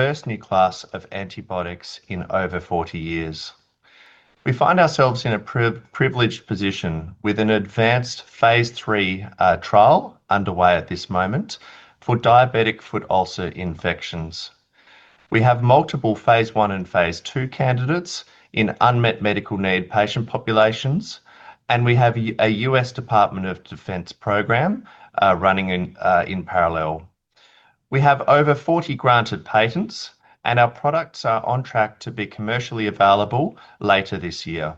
First new class of antibiotics in over 40 years. We find ourselves in a privileged position with an advanced phase III trial underway at this moment for diabetic foot ulcer infections. We have multiple phase I and phase II candidates in unmet medical need patient populations, and we have a U.S. Department of Defense program running in parallel. We have over 40 granted patents, and our products are on track to be commercially available later this year.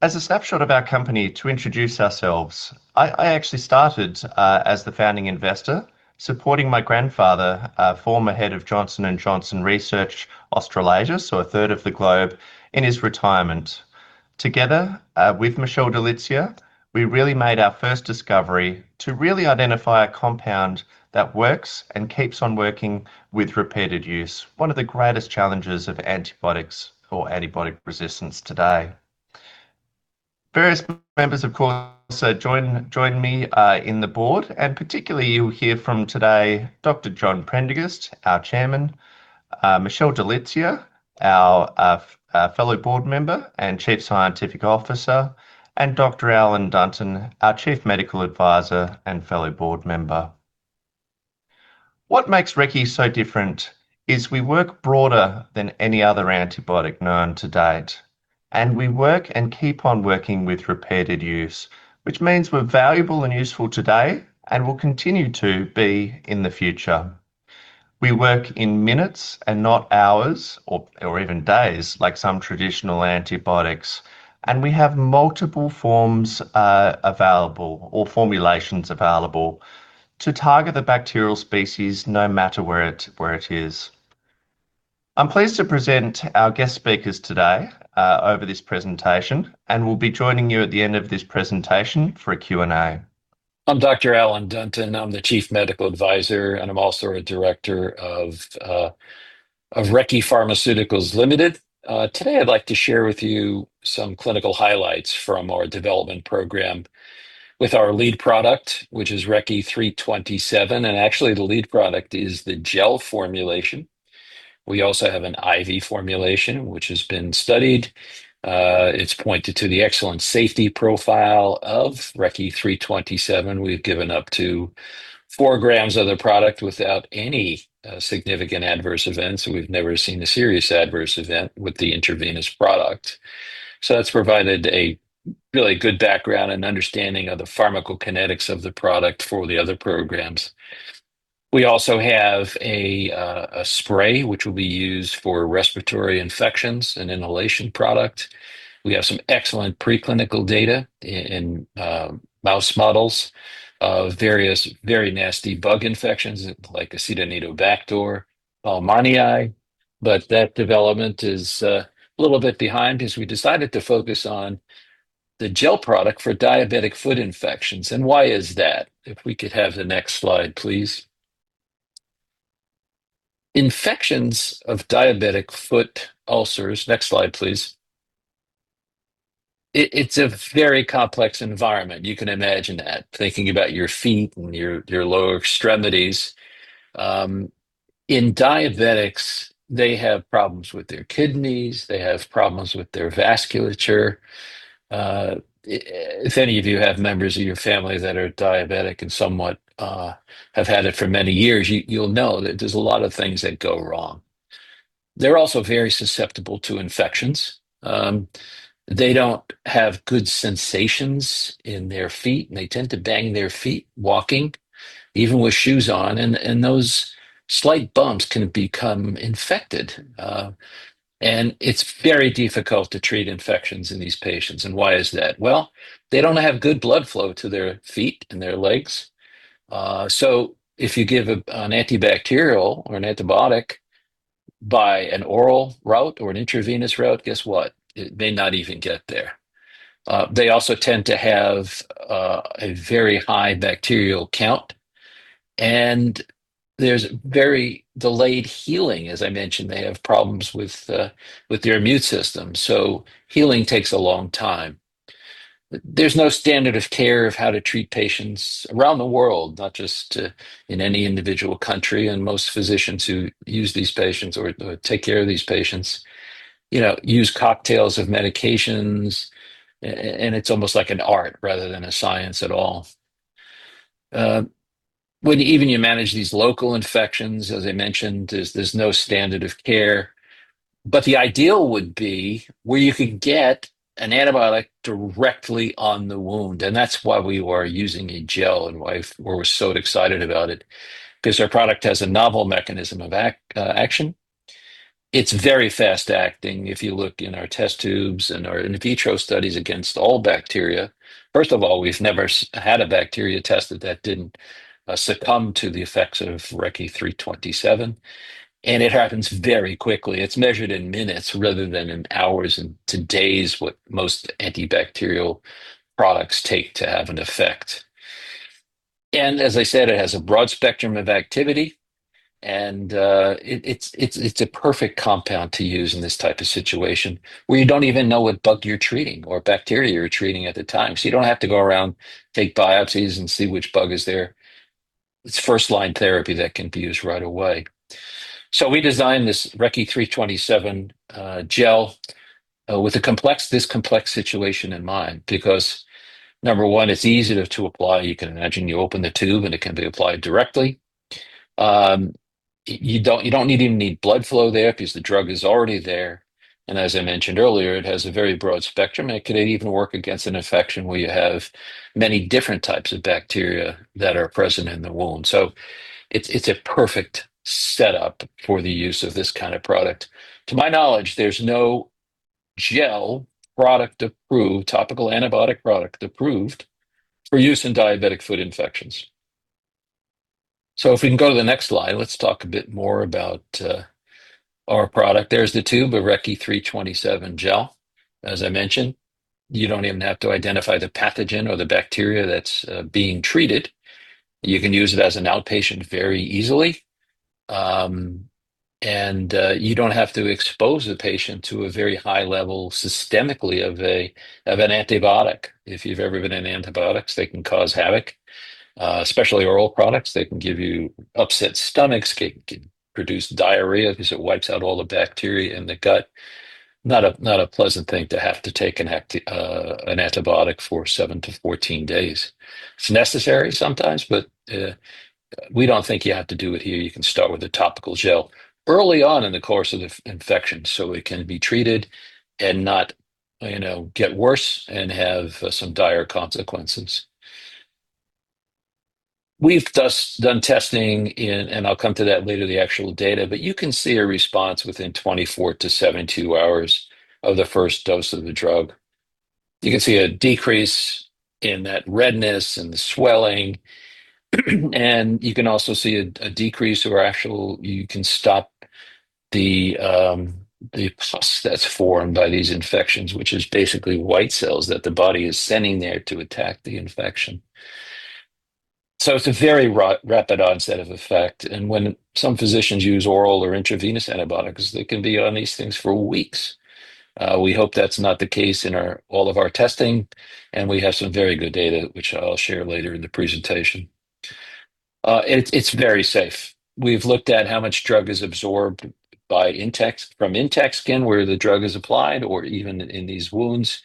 As a snapshot of our company to introduce ourselves, I actually started as the founding investor supporting my grandfather, a former Head of Johnson & Johnson Research Australasia, so a third of the globe in his retirement. Together with Michele Dilizia, we really made our first discovery to really identify a compound that works and keeps on working with repeated use, one of the greatest challenges of antibiotics or antibiotic resistance today. Various members, of course, also joined me on the board, and particularly you'll hear from today Dr. John Prendergast, our Chairman, Michele Dilizia, our fellow board member and Chief Scientific Officer, and Dr. Alan Dunton, our Chief Medical Advisor and fellow board member. What makes Recce so different is we work broader than any other antibiotic known to date, and we work and keep on working with repeated use, which means we're valuable and useful today and will continue to be in the future. We work in minutes and not hours or even days like some traditional antibiotics, and we have multiple forms available or formulations available to target the bacterial species no matter where it is. I'm pleased to present our guest speakers today over this presentation, and we'll be joining you at the end of this presentation for a Q&A. I'm Dr. Alan Dunton. I'm the Chief Medical Advisor, and I'm also a Director of Recce Pharmaceuticals Ltd. Today I'd like to share with you some clinical highlights from our development program with our lead product, which is RECCE 327, and actually the lead product is the gel formulation. We also have an IV formulation, which has been studied. It's pointed to the excellent safety profile of RECCE 327. We've given up to 4 g of the product without any significant adverse events. We've never seen a serious adverse event with the intravenous product. That's provided a really good background and understanding of the pharmacokinetics of the product for the other programs. We also have a spray which will be used for respiratory infections and inhalation product. We have some excellent preclinical data in mouse models of various very nasty bug infections like Acinetobacter baumannii, but that development is a little bit behind because we decided to focus on the gel product for diabetic foot infections. Why is that? If we could have the next slide, please. Infections of diabetic foot ulcers. Next slide, please. It's a very complex environment. You can imagine that thinking about your feet and your lower extremities. In diabetics, they have problems with their kidneys, they have problems with their vasculature. If any of you have members of your family that are diabetic and somewhat have had it for many years, you'll know that there's a lot of things that go wrong. They're also very susceptible to infections. They don't have good sensations in their feet, and they tend to bang their feet walking, even with shoes on, and those slight bumps can become infected. It's very difficult to treat infections in these patients, and why is that? Well, they don't have good blood flow to their feet and their legs. So if you give an antibacterial or an antibiotic by an oral route or an intravenous route, guess what? It may not even get there. They also tend to have a very high bacterial count, and there's very delayed healing. As I mentioned, they have problems with their immune system, so healing takes a long time. There's no standard of care of how to treat patients around the world, not just in any individual country, and most physicians who use these patients or take care of these patients, you know, use cocktails of medications, and it's almost like an art rather than a science at all. When even you manage these local infections, as I mentioned, there's no standard of care. The ideal would be where you could get an antibiotic directly on the wound, and that's why we are using a gel and why we're so excited about it, 'cause our product has a novel mechanism of action. It's very fast-acting. If you look in our test tubes and our in vitro studies against all bacteria, first of all, we've never had a bacteria tested that didn't succumb to the effects of RECCE 327, and it happens very quickly. It's measured in minutes rather than in hours into days, what most antibacterial products take to have an effect. As I said, it has a broad spectrum of activity. It's a perfect compound to use in this type of situation where you don't even know what bug you're treating or bacteria you're treating at the time. So you don't have to go around, take biopsies, and see which bug is there. It's first-line therapy that can be used right away. So we designed this RECCE 327 gel with this complex situation in mind, because number one, it's easy to apply. You can imagine you open the tube, and it can be applied directly. You don't even need blood flow there because the drug is already there. As I mentioned earlier, it has a very broad spectrum, and it could even work against an infection where you have many different types of bacteria that are present in the wound. It's a perfect setup for the use of this kind of product. To my knowledge, there's no gel product approved, topical antibiotic product approved for use in diabetic foot infections. If we can go to the next slide, let's talk a bit more about our product. There's the tube of RECCE 327 gel. As I mentioned, you don't even have to identify the pathogen or the bacteria that's being treated. You can use it as an outpatient very easily. You don't have to expose the patient to a very high level systemically of an antibiotic. If you've ever been on antibiotics, they can cause havoc, especially oral products. They can give you upset stomachs, can produce diarrhea 'cause it wipes out all the bacteria in the gut. Not a pleasant thing to have to take an antibiotic for seven to 14 days. It's necessary sometimes, but we don't think you have to do it here. You can start with a topical gel early on in the course of infection, so it can be treated and not, you know, get worse and have some dire consequences. We've done testing and I'll come to that later, the actual data, but you can see a response within 24-72 hours of the first dose of the drug. You can see a decrease in that redness and the swelling, and you can also see a decrease or actual. You can stop the pus that's formed by these infections, which is basically white cells that the body is sending there to attack the infection. It's a very rapid onset of effect. When some physicians use oral or intravenous antibiotics, they can be on these things for weeks. We hope that's not the case in our, all of our testing, and we have some very good data, which I'll share later in the presentation. It's very safe. We've looked at how much drug is absorbed from intact skin where the drug is applied or even in these wounds.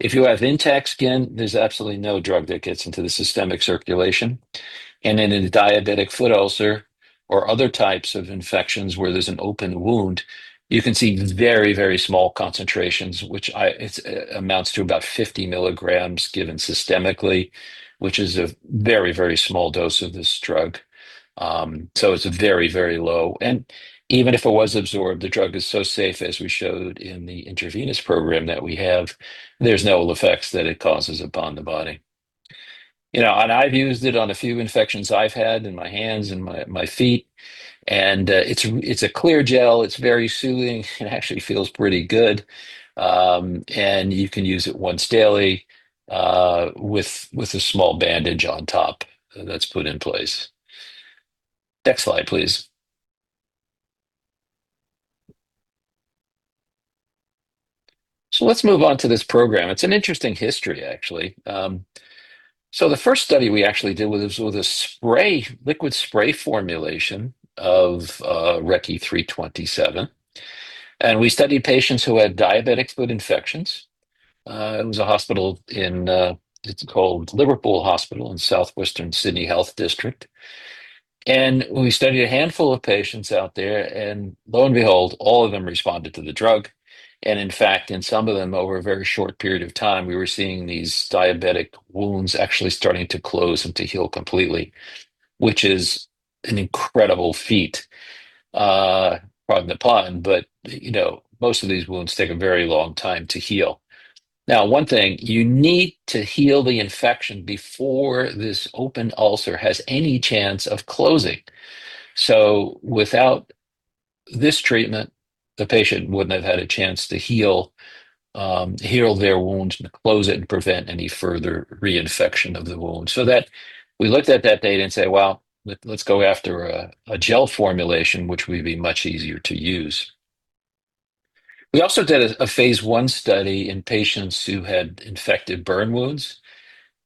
If you have intact skin, there's absolutely no drug that gets into the systemic circulation. In a diabetic foot ulcer or other types of infections where there's an open wound, you can see very, very small concentrations, which it's amounts to about 50 mg given systemically, which is a very, very small dose of this drug. It's very, very low. Even if it was absorbed, the drug is so safe, as we showed in the intravenous program that we have, there's no ill effects that it causes upon the body. You know, I've used it on a few infections I've had in my hands and my feet, and it's a clear gel. It's very soothing and actually feels pretty good. You can use it once daily, with a small bandage on top that's put in place. Next slide, please. Let's move on to this program. It's an interesting history, actually. So the first study we actually did was a spray, liquid spray formulation of RECCE 327. We studied patients who had diabetic foot infections. It was a hospital in... it's called Liverpool Hospital in South Western Sydney Local Health District. We studied a handful of patients out there, and lo and behold, all of them responded to the drug. In fact, in some of them, over a very short period of time, we were seeing these diabetic wounds actually starting to close and to heal completely, which is an incredible feat, pardon the pun, but you know, most of these wounds take a very long time to heal. Now, one thing, you need to heal the infection before this open ulcer has any chance of closing. Without this treatment, the patient wouldn't have had a chance to heal their wound and close it and prevent any further reinfection of the wound. That we looked at that data and said, "Well, let's go after a gel formulation, which would be much easier to use." We also did a phase I study in patients who had infected burn wounds,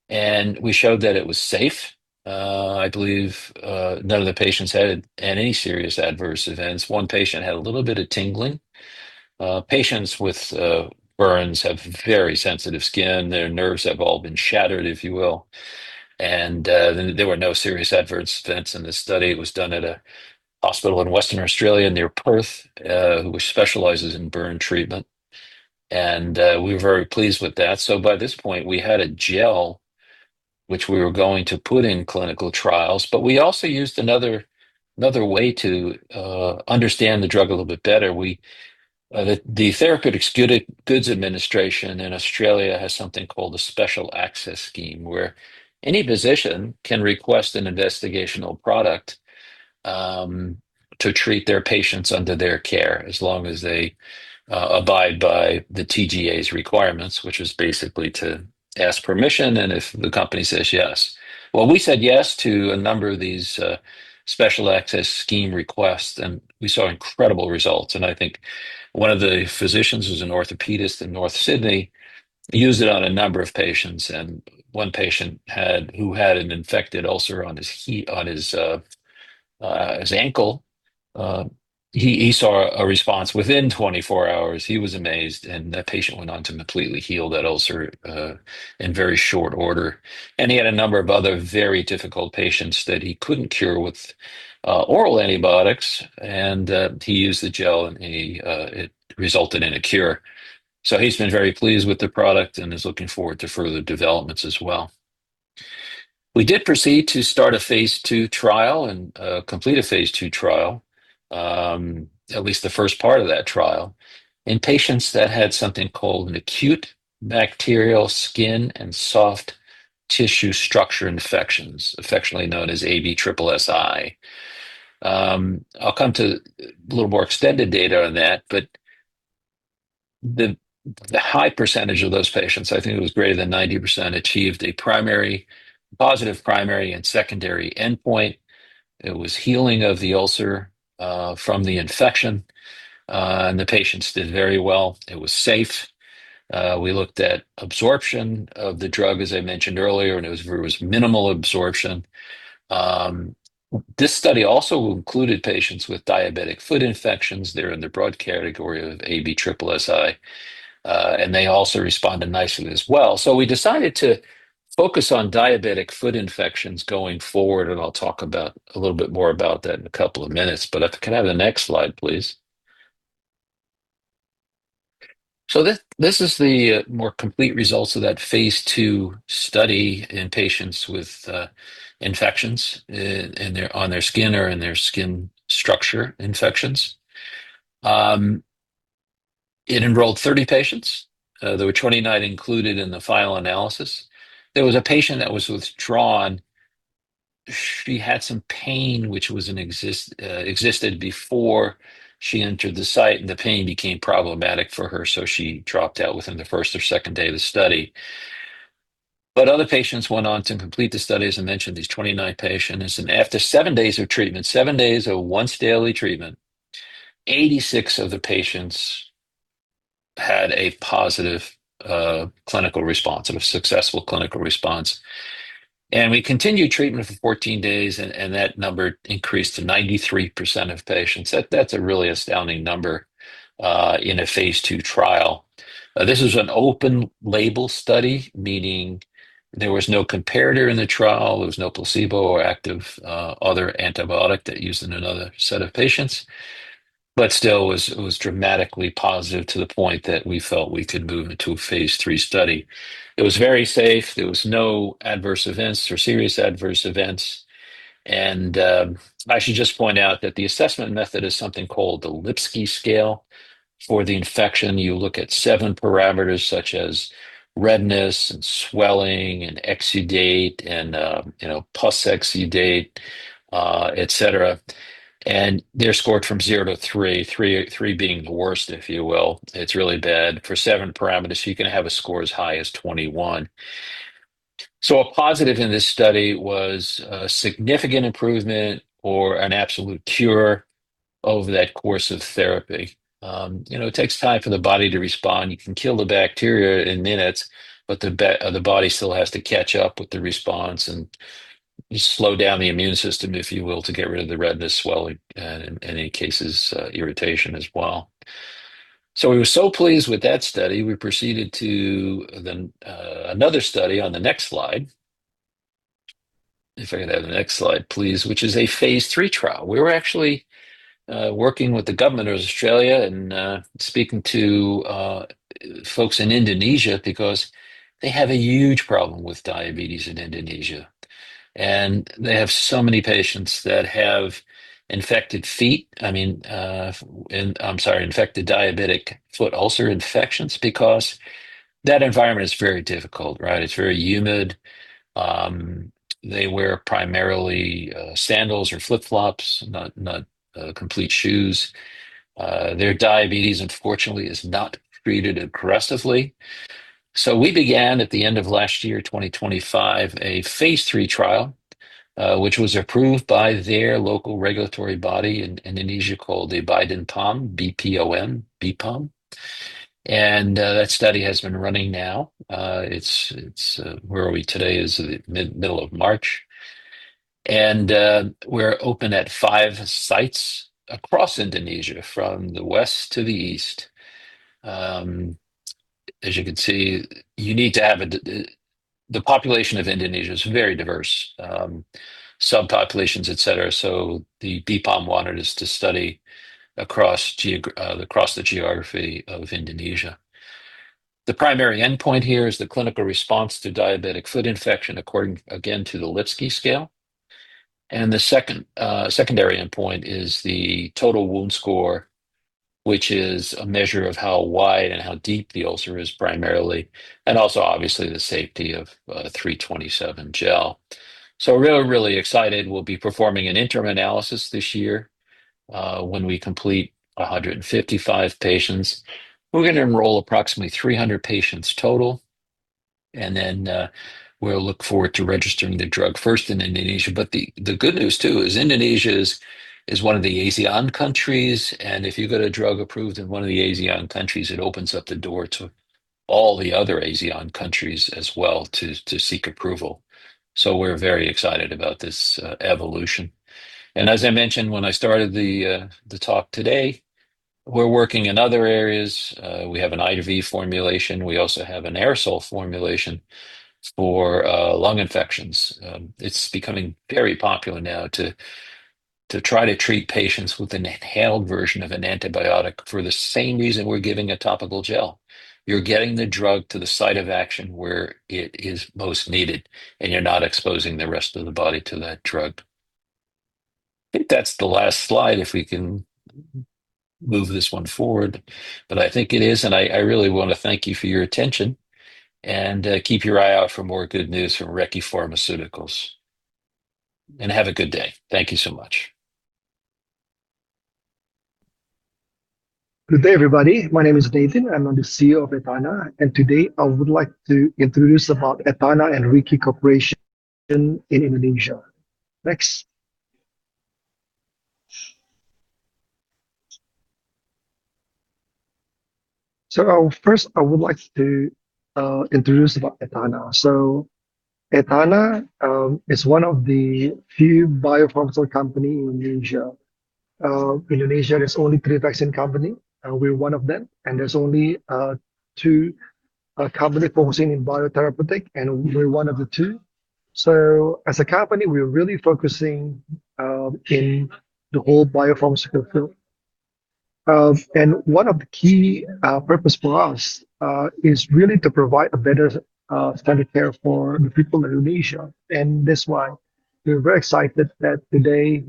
and we showed that it was safe. I believe none of the patients had any serious adverse events. One patient had a little bit of tingling. Patients with burns have very sensitive skin. Their nerves have all been shattered, if you will. There were no serious adverse events in this study. It was done at a hospital in Western Australia near Perth, which specializes in burn treatment. We were very pleased with that. By this point, we had a gel which we were going to put in clinical trials, but we also used another way to understand the drug a little bit better. The Therapeutic Goods Administration in Australia has something called a special access scheme, where any physician can request an investigational product to treat their patients under their care as long as they abide by the TGA's requirements, which is basically to ask permission and if the company says yes. Well, we said yes to a number of these special access scheme requests, and we saw incredible results. I think one of the physicians who's an orthopedist in North Sydney used it on a number of patients, and one patient who had an infected ulcer on his ankle, he saw a response within 24 hours. He was amazed, and that patient went on to completely heal that ulcer in very short order. He had a number of other very difficult patients that he couldn't cure with oral antibiotics, and he used the gel, and it resulted in a cure. He's been very pleased with the product and is looking forward to further developments as well. We did proceed to start a phase II trial and complete a phase II trial, at least the first part of that trial, in patients that had something called acute bacterial skin and skin structure infections, affectionately known as ABSSSI. I'll come to a little more extended data on that, but the high percentage of those patients, I think it was greater than 90%, achieved a positive primary and secondary endpoint. It was healing of the ulcer from the infection, and the patients did very well. It was safe. We looked at absorption of the drug, as I mentioned earlier, and it was minimal absorption. This study also included patients with diabetic foot infections. They're in the broad category of ABSSSI, and they also responded nicely as well. We decided to focus on diabetic foot infections going forward, and I'll talk about a little bit more about that in a couple of minutes. Can I have the next slide, please? This is the more complete results of that phase II study in patients with infections on their skin and skin structure infections. It enrolled 30 patients. There were 29 included in the final analysis. There was a patient that was withdrawn. She had some pain which existed before she entered the site, and the pain became problematic for her, so she dropped out within the first or second day of the study. Other patients went on to complete the study. As I mentioned, these 29 patients. After seven days of treatment, seven days of once-daily treatment, 86 of the patients had a positive clinical response and a successful clinical response. We continued treatment for 14 days, and that number increased to 93% of patients. That's a really astounding number in a phase II trial. This is an open label study, meaning there was no comparator in the trial. There was no placebo or active other antibiotic that used in another set of patients, but still was dramatically positive to the point that we felt we could move into a phase III study. It was very safe. There was no adverse events or serious adverse events. I should just point out that the assessment method is something called the Lipsky scale. For the infection, you look at 7 parameters such as redness and swelling and exudate and, you know, pus exudate, et cetera. They're scored from zero to three, three being the worst, if you will. It's really bad. For 7 parameters, you can have a score as high as 21. A positive in this study was significant improvement or an absolute cure over that course of therapy. You know, it takes time for the body to respond. You can kill the bacteria in minutes, but the body still has to catch up with the response and slow down the immune system, if you will, to get rid of the redness, swelling, and in many cases, irritation as well. We were so pleased with that study, we proceeded to then another study on the next slide. If I could have the next slide, please, which is a phase III trial. We were actually working with the government of Australia and speaking to folks in Indonesia because they have a huge problem with diabetes in Indonesia. They have so many patients that have infected feet. I mean, I'm sorry, infected diabetic foot ulcer infections because that environment is very difficult, right? It's very humid. They wear primarily sandals or flip-flops, not complete shoes. Their diabetes, unfortunately, is not treated aggressively. We began at the end of last year, 2025, a phase III trial, which was approved by their local regulatory body in Indonesia called the Badan POM, B-P-O-M, BPOM. That study has been running now. It's where are we today? Is it mid of March. We're open at five sites across Indonesia from the west to the east. As you can see, the population of Indonesia is very diverse, subpopulations, et cetera. The BPOM wanted us to study across the geography of Indonesia. The primary endpoint here is the clinical response to diabetic foot infection according, again, to the Lipsky scale. The second secondary endpoint is the total wound score, which is a measure of how wide and how deep the ulcer is primarily, and also obviously the safety of 327 gel. Really excited. We'll be performing an interim analysis this year, when we complete 155 patients. We're gonna enroll approximately 300 patients total, and then we'll look forward to registering the drug first in Indonesia. The good news too is Indonesia is one of the ASEAN countries, and if you get a drug approved in one of the ASEAN countries, it opens up the door to all the other ASEAN countries as well to seek approval. We're very excited about this evolution. As I mentioned when I started the talk today, we're working in other areas. We have an IV formulation. We also have an aerosol formulation for lung infections. It's becoming very popular now to try to treat patients with an inhaled version of an antibiotic for the same reason we're giving a topical gel. You're getting the drug to the site of action where it is most needed, and you're not exposing the rest of the body to that drug. I think that's the last slide if we can move this one forward. I think it is, and I really want to thank you for your attention. Keep your eye out for more good news from Recce Pharmaceuticals. Have a good day. Thank you so much. Good day, everybody. My name is Nathan. I'm the CEO of Etana, and today I would like to introduce about Etana and Recce cooperation in Indonesia. Next. First, I would like to introduce about Etana. Etana is one of the few biopharmaceutical company in Indonesia. Indonesia, there's only three vaccine company, and we're one of them, and there's only two company focusing in biotherapeutic, and we're one of the two. As a company, we're really focusing in the whole biopharmaceutical field. One of the key purpose for us is really to provide a better standard care for the people in Indonesia. That's why we're very excited that today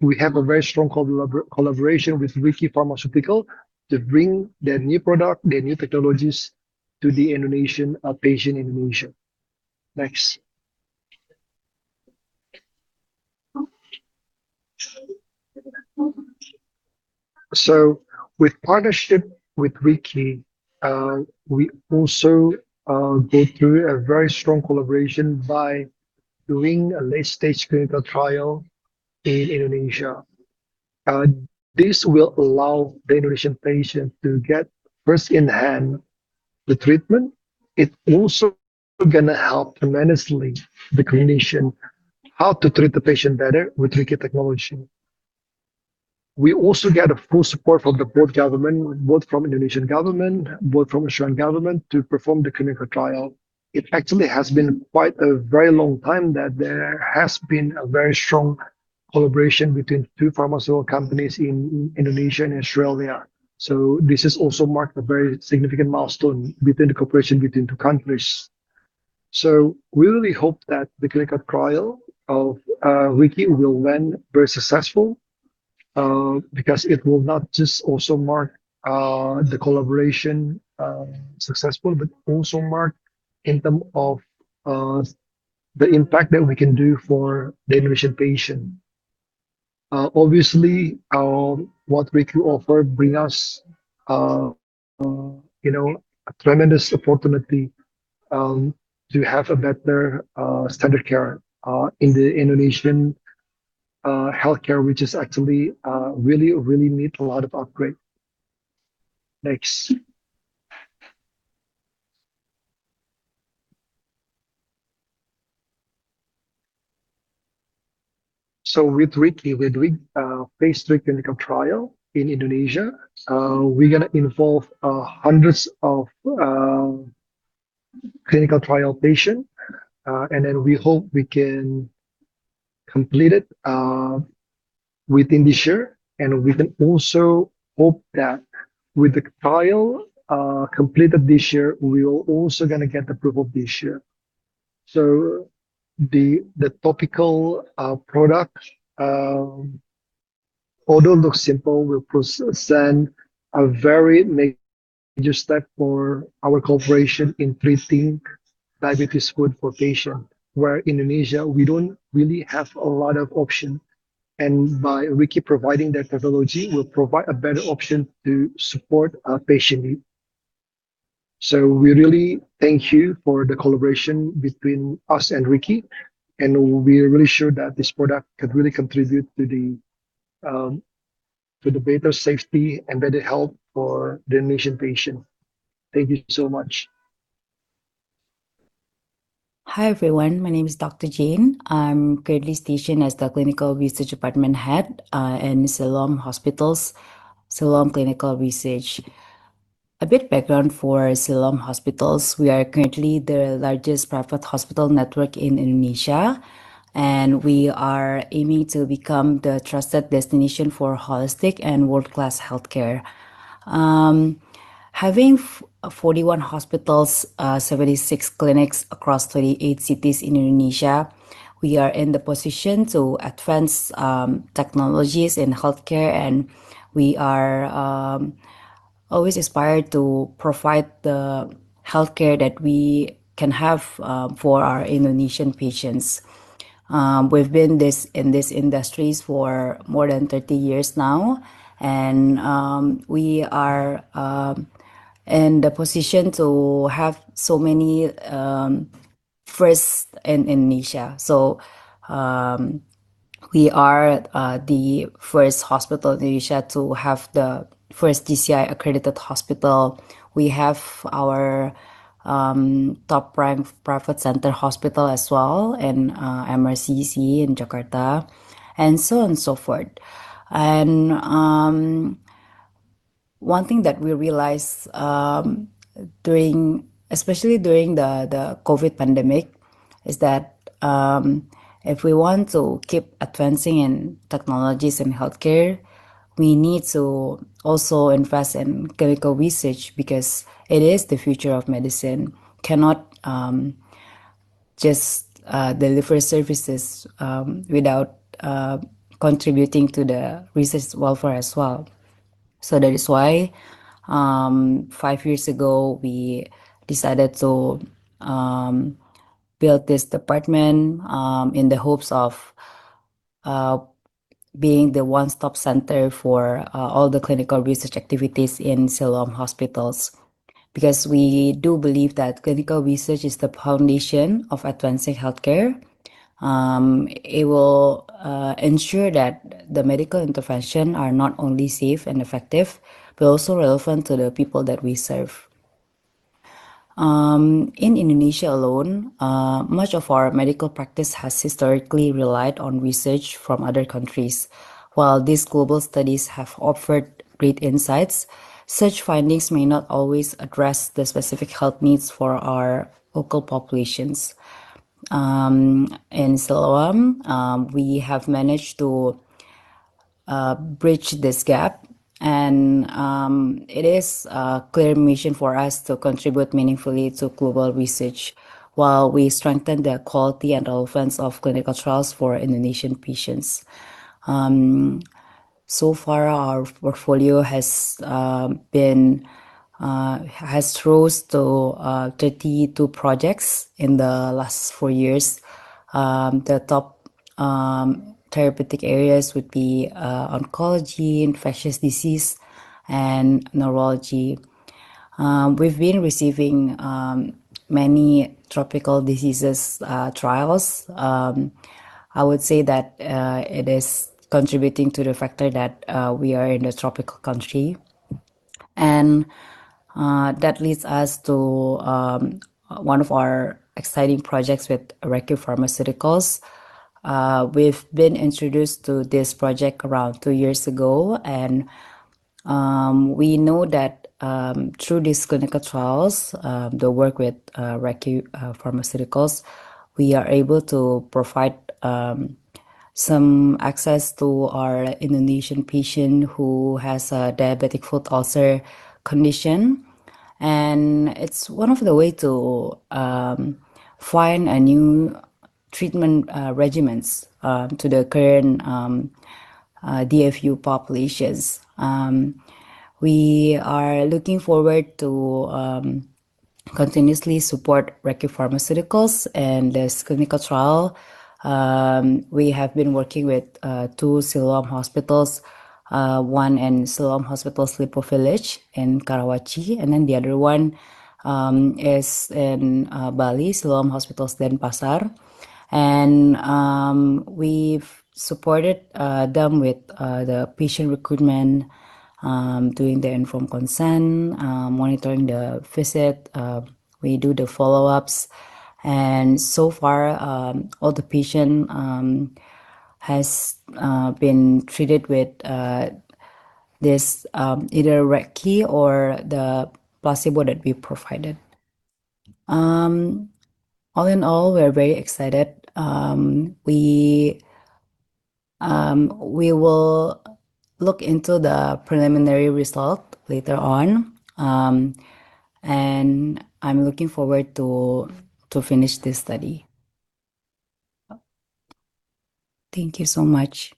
we have a very strong collaboration with Recce Pharmaceuticals to bring their new product, their new technologies to the Indonesian patient in Indonesia. Next. With partnership with Recce, we also go through a very strong collaboration by doing a late-stage clinical trial in Indonesia. This will allow the Indonesian patient to get first-hand the treatment. It also gonna help tremendously the clinician how to treat the patient better with Recce technology. We also get a full support from both governments, both from Indonesian government, both from Australian government, to perform the clinical trial. It actually has been quite a very long time that there has been a very strong collaboration between two pharmaceutical companies in Indonesia and Australia. This has also marked a very significant milestone within the cooperation between the two countries. We really hope that the clinical trial of Recce will run very successful, because it will not just also mark the collaboration successful, but also mark in term of the impact that we can do for the Indonesian patient. Obviously, what Recce offer bring us, you know, a tremendous opportunity, to have a better standard care in the Indonesian healthcare, which is actually really need a lot of upgrade. With Recce, we're doing phase three clinical trial in Indonesia. We're gonna involve hundreds of clinical trial patient, and then we hope we can complete it within this year. We can also hope that with the trial completed this year, we will also gonna get approval this year. The topical product, although it looks simple, will represent a very major step for our cooperation in treating diabetic foot for patients, in Indonesia, where we don't really have a lot of options. By Recce providing that technology, it will provide a better option to support our patients' needs. We really thank you for the collaboration between us and Recce, and we're really sure that this product could really contribute to the better safety and better health for the Indonesian patients. Thank you so much. Hi, everyone. My name is Dr. Jane. I'm currently stationed as the Clinical Research Department Head in Siloam Hospitals, Siloam Clinical Research. A bit of background for Siloam Hospitals. We are currently the largest private hospital network in Indonesia, and we are aiming to become the trusted destination for holistic and world-class healthcare. Having 41 hospitals, 76 clinics across 38 cities in Indonesia, we are in the position to advance technologies in healthcare, and we are always inspired to provide the healthcare that we can have for our Indonesian patients. We've been this, in these industries for more than 30 years now, and we are in the position to have so many firsts in Indonesia. We are the first hospital in Indonesia to have the first JCI-accredited hospital. We have our top prime private center hospital as well in MRCCC in Jakarta and so on and so forth. One thing that we realized during, especially during the COVID pandemic is that if we want to keep advancing in technologies in healthcare, we need to also invest in clinical research because it is the future of medicine. Cannot just deliver services without contributing to the research welfare as well. That is why five years ago we decided to build this department in the hopes of being the one-stop center for all the clinical research activities in Siloam Hospitals because we do believe that clinical research is the foundation of advancing healthcare. It will ensure that the medical intervention are not only safe and effective but also relevant to the people that we serve. In Indonesia alone, much of our medical practice has historically relied on research from other countries. While these global studies have offered great insights, such findings may not always address the specific health needs for our local populations. In Siloam, we have managed to bridge this gap and it is a clear mission for us to contribute meaningfully to global research while we strengthen the quality and relevance of clinical trials for Indonesian patients. Our portfolio has risen to 32 projects in the last four years. The top therapeutic areas would be oncology, infectious disease, and neurology. We've been receiving many tropical diseases trials. I would say that it is contributing to the factor that we are in a tropical country and that leads us to one of our exciting projects with Recce Pharmaceuticals. We've been introduced to this project around two years ago and we know that through these clinical trials, the work with Recce Pharmaceuticals, we are able to provide some access to our Indonesian patient who has a diabetic foot ulcer condition. It's one of the way to find a new treatment regimens to the current DFU populations. We are looking forward to continuously support Recce Pharmaceuticals and this clinical trial. We have been working with two Siloam Hospitals, one in Siloam Hospitals Lippo Village in Karawaci, and then the other one is in Bali, Siloam Hospitals Denpasar. We've supported them with the patient recruitment, doing the informed consent, monitoring the visit, we do the follow-ups and so far, all the patient has been treated with this, either Recce or the placebo that we provided. All in all, we're very excited. We will look into the preliminary result later on, and I'm looking forward to finish this study. Thank you so much.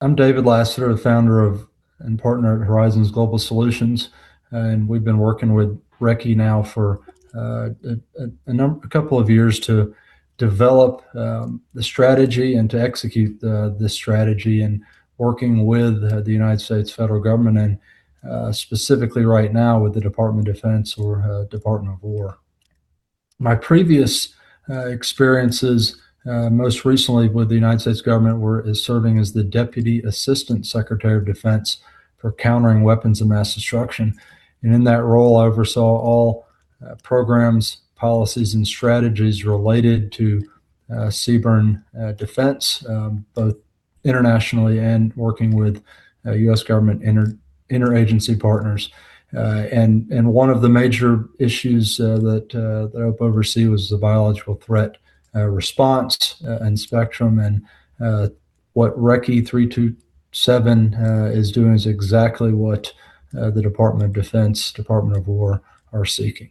I'm David Lasseter, the Founder and Partner at Horizons Global Solutions, and we've been working with Recce now for a couple of years to develop the strategy and to execute the strategy and working with the United States Federal government and specifically right now with the Department of Defense or Department of War. My previous experiences most recently with the United States government were is serving as the Deputy Assistant Secretary of Defense for Countering Weapons of Mass Destruction. In that role, I oversaw all programs, policies, and strategies related to CBRN defense both internationally and working with U.S. government interagency partners. One of the major issues that I would oversee was the biological threat response and spectrum. What RECCE 327 is doing is exactly what the Department of Defense, Department of War are seeking.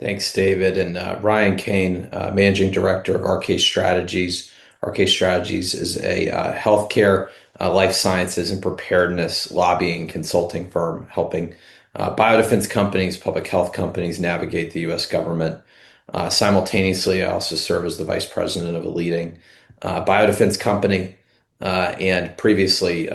Ryan? Thanks, David. Ryan Kane, Managing Director of RK Strategies. RK Strategies is a healthcare, life sciences and preparedness lobbying consulting firm, helping biodefense companies, public health companies navigate the U.S. government. Simultaneously, I also serve as the Vice President of a leading biodefense company, and previously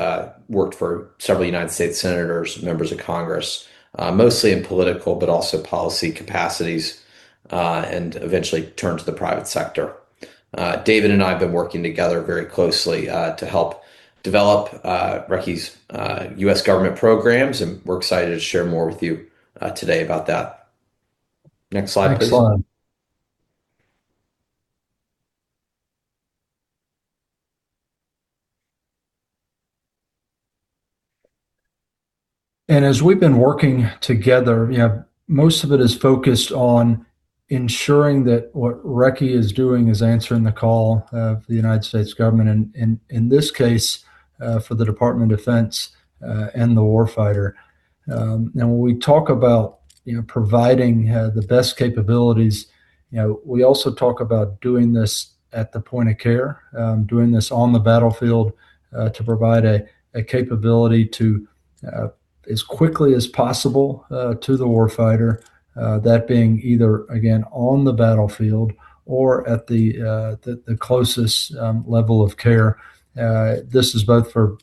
worked for several United States senators, members of Congress, mostly in political but also policy capacities, and eventually turned to the private sector. David and I have been working together very closely to help develop Recce's U.S. government programs, and we're excited to share more with you today about that. Next slide, please. Next slide. As we've been working together, you know, most of it is focused on ensuring that what Recce is doing is answering the call of the United States government and in this case for the Department of Defense and the war fighter. Now when we talk about, you know, providing the best capabilities, you know, we also talk about doing this at the point of care, doing this on the battlefield to provide a capability to as quickly as possible to the war fighter that being either, again, on the battlefield or at the closest level of care. This is both for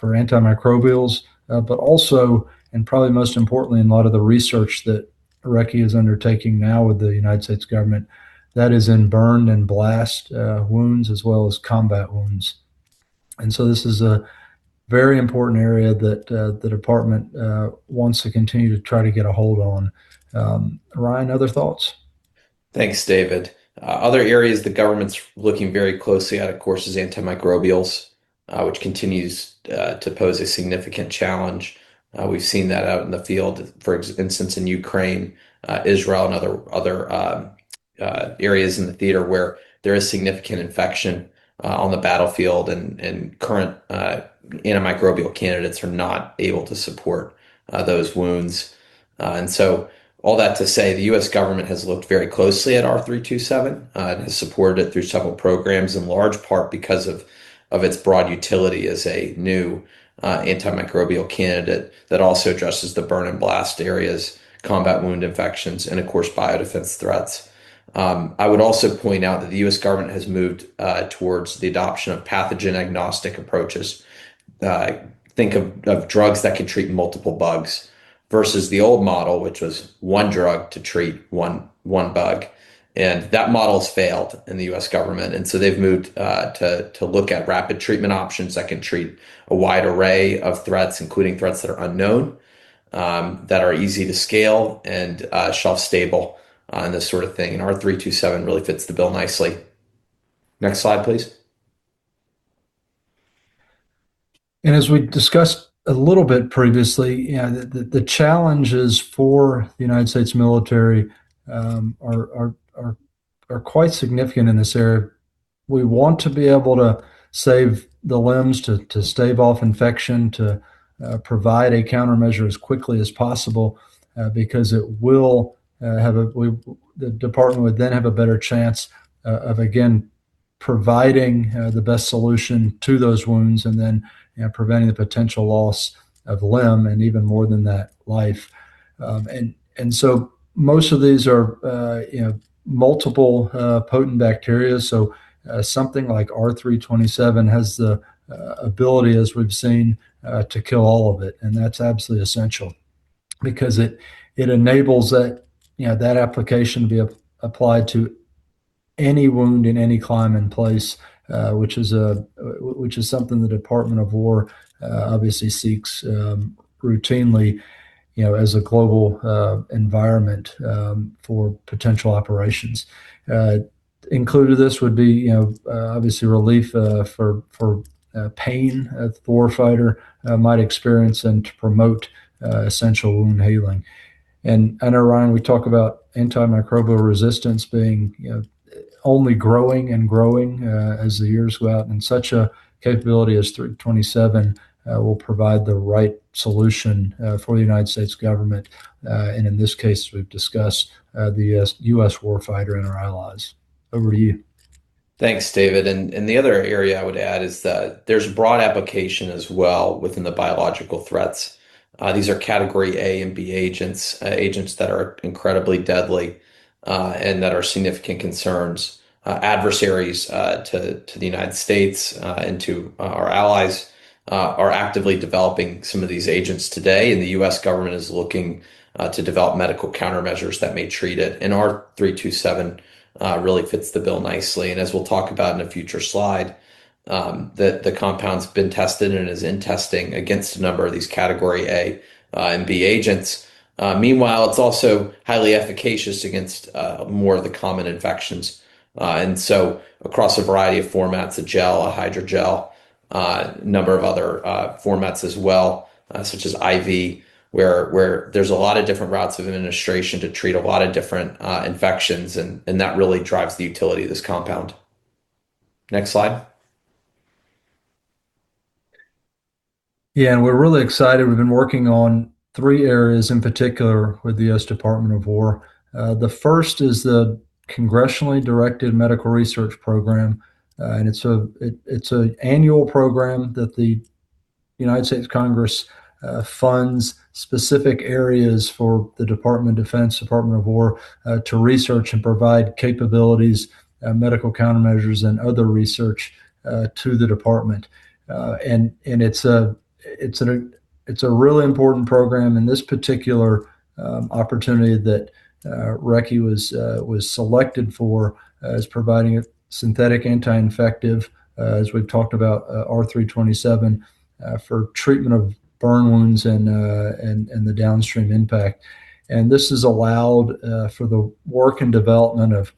antimicrobials, but also, and probably most importantly in a lot of the research that Recce is undertaking now with the United States government, that is in burn and blast wounds as well as combat wounds. This is a very important area that the department wants to continue to try to get a hold on. Ryan, other thoughts? Thanks, David. Other areas the government's looking very closely at, of course, is antimicrobials, which continues to pose a significant challenge. We've seen that out in the field, for instance, in Ukraine, Israel and other areas in the theater where there is significant infection on the battlefield and current antimicrobial candidates are not able to support those wounds. All that to say, the U.S. government has looked very closely at R327 and has supported it through several programs in large part because of its broad utility as a new antimicrobial candidate that also addresses the burn and blast areas, combat wound infections, and of course, biodefense threats. I would also point out that the U.S. government has moved towards the adoption of pathogen-agnostic approaches. Think of drugs that can treat multiple bugs versus the old model, which was one drug to treat one bug, and that model's failed in the U.S. government. They've moved to look at rapid treatment options that can treat a wide array of threats, including threats that are unknown, that are easy to scale and shelf stable, and this sort of thing. R327 really fits the bill nicely. Next slide, please. As we discussed a little bit previously, you know, the challenges for the United States military are quite significant in this area. We want to be able to save the limbs, to stave off infection, to provide a countermeasure as quickly as possible, because it will The department would then have a better chance of again providing the best solution to those wounds and then, you know, preventing the potential loss of limb and even more than that, life. Most of these are, you know, multiple potent bacteria. Something like R327 has the ability, as we've seen, to kill all of it, and that's absolutely essential because it enables that, you know, that application to be applied to any wound in any climate and place, which is something the Department of War obviously seeks routinely, you know, as a global environment for potential operations. Included this would be, you know, obviously relief for pain a war fighter might experience and to promote essential wound healing. I know, Ryan, we talk about antimicrobial resistance being, you know, only growing and growing as the years go out, and such a capability as R327 will provide the right solution for the United States government, and in this case, we've discussed the U.S. war fighter and our allies. Over to you. Thanks, David. The other area I would add is that there's broad application as well within the biological threats. These are Category A and B agents that are incredibly deadly, and that are significant concerns. Adversaries to the United States and to our allies are actively developing some of these agents today, and the U.S. government is looking to develop medical countermeasures that may treat it. R327 really fits the bill nicely. As we'll talk about in a future slide, the compound's been tested and is in testing against a number of these Category A and B agents. Meanwhile, it's also highly efficacious against more of the common infections. Across a variety of formats, a gel, a hydrogel. A number of other formats as well, such as IV, where there's a lot of different routes of administration to treat a lot of different infections and that really drives the utility of this compound. Next slide. We're really excited. We've been working on three areas in particular with the U.S. Department of War. The first is the congressionally directed medical research programs. It's an annual program that the United States Congress funds specific areas for the Department of Defense, Department of War, to research and provide capabilities, medical countermeasures and other research, to the department. It's a really important program. This particular opportunity that Recce was selected for is providing a synthetic anti-infective, as we've talked about, R327, for treatment of burn wounds and the downstream impact. This has allowed for the work and development of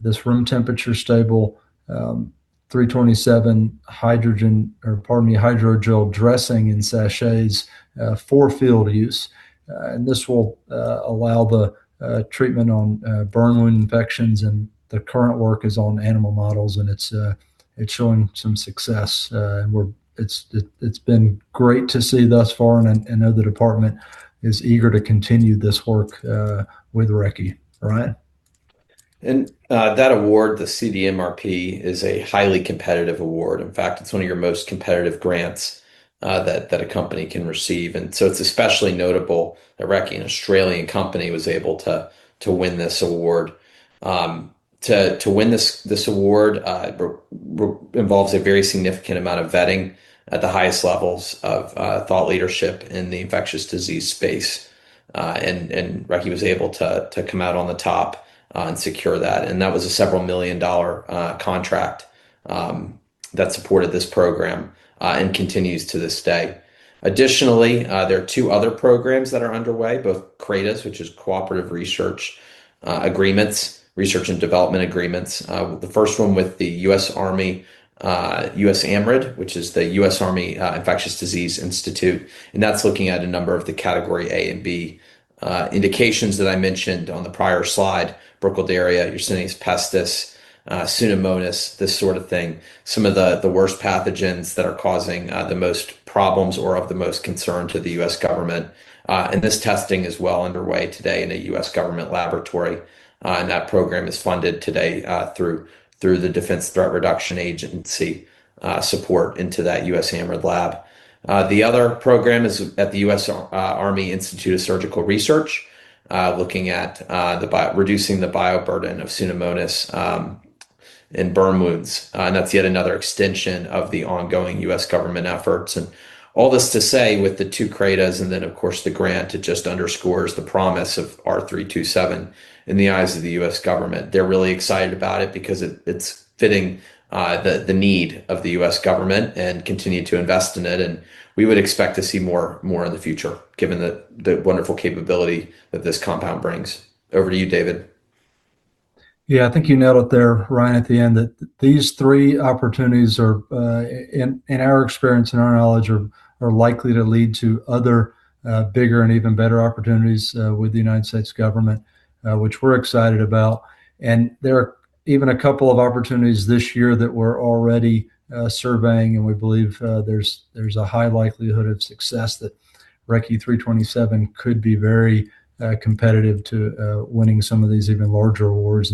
this room temperature stable, R327 hydrogel or pardon me, hydrogel dressing in sachets, for field use. This will allow the treatment on burn wound infections and the current work is on animal models, and it's showing some success. It's been great to see thus far and know the department is eager to continue this work with Recce. Ryan. That award, the CDMRP, is a highly competitive award. In fact, it's one of your most competitive grants that a company can receive. It's especially notable that Recce, an Australian company, was able to win this award. To win this award involves a very significant amount of vetting at the highest levels of thought leadership in the infectious disease space. Recce was able to come out on top and secure that. That was a several million-dollar contract that supported this program and continues to this day. Additionally, there are two other programs that are underway, both CRADAs, which is Cooperative Research Agreements, Research and Development Agreements. The first one with the U.S. Army, USAMRIID, which is the U.S. Army Medical Research Institute of Infectious Diseases, and that's looking at a number of the Category A and B indications that I mentioned on the prior slide, Burkholderia, Yersinia pestis, Pseudomonas, this sort of thing. Some of the worst pathogens that are causing the most problems or of the most concern to the U.S. government. This testing is well underway today in a U.S. government laboratory. That program is funded today through the Defense Threat Reduction Agency support into that USAMRIID lab. The other program is at the U.S. Army Institute of Surgical Research, looking at reducing the bioburden of Pseudomonas in burn wounds. That's yet another extension of the ongoing U.S. government efforts. All this to say with the two CRADAs and then of course the grant, it just underscores the promise of R327 in the eyes of the U.S. government. They're really excited about it because it's fitting the need of the U.S. government and continue to invest in it, and we would expect to see more in the future given the wonderful capability that this compound brings. Over to you, David. Yeah. I think you nailed it there, Ryan, at the end that these three opportunities are, in our experience and our knowledge, are likely to lead to other, bigger and even better opportunities, with the United States government, which we're excited about. There are even a couple of opportunities this year that we're already surveying, and we believe, there's a high likelihood of success that RECCE 327 could be very competitive to winning some of these even larger awards.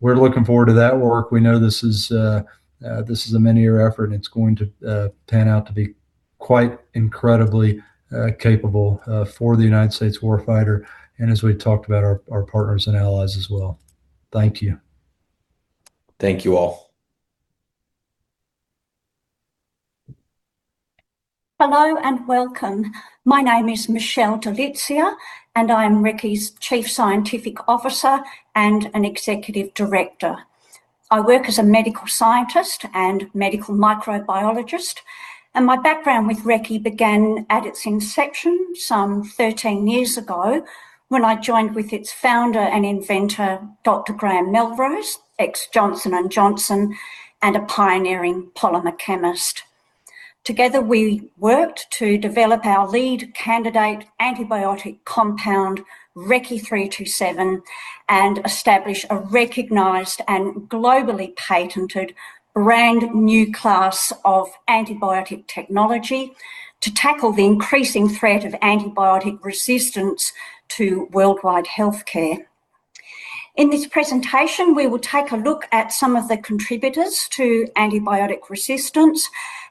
We're looking forward to that work. We know this is this is a many-year effort, and it's going to pan out to be quite incredibly capable for the United States war fighter and as we talked about our partners and allies as well. Thank you. Thank you all. Hello and welcome. My name is Michele Dilizia, and I am Recce's Chief Scientific Officer and an Executive Director. I work as a medical scientist and medical microbiologist, and my background with Recce began at its inception some 13 years ago when I joined with its founder and inventor, Dr. Graham Melrose, ex Johnson & Johnson, and a pioneering polymer chemist. Together, we worked to develop our lead candidate antibiotic compound, RECCE 327, and establish a recognized and globally patented brand new class of antibiotic technology to tackle the increasing threat of antibiotic resistance to worldwide healthcare. In this presentation, we will take a look at some of the contributors to antibiotic resistance